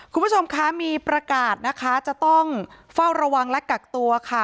คุณผู้ชมคะมีประกาศนะคะจะต้องเฝ้าระวังและกักตัวค่ะ